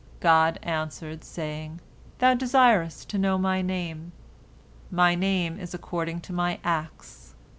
God answered, saying: "Thou desirest to know My Name? My Name is according to My acts.